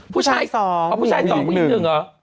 พู่ชายสองผู้หญิงหนึ่งหรอ